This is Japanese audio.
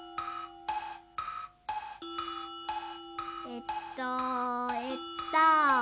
えっとえっと。